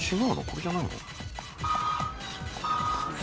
これじゃないの？